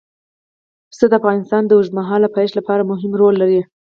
پسه د افغانستان د اوږدمهاله پایښت لپاره مهم رول لري.